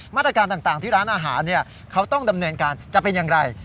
มาตรการต่างที่ร้านอาหารเขาต้องดำเนินการจะเป็นอย่างไร